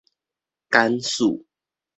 簡史